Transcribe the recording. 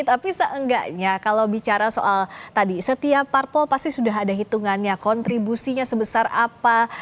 tapi seenggaknya kalau bicara soal tadi setiap parpol pasti sudah ada hitungannya kontribusinya sebesar apa